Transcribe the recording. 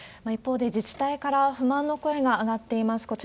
一方で、自治体から不満の声が上がっています。